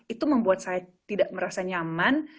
itu membuat saya tidak merasa nyaman